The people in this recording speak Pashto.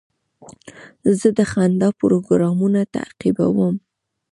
زه د خندا پروګرامونه تعقیبوم.